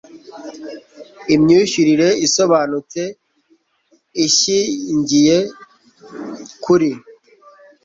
imyishyurire isobanutse ishyingiye kuri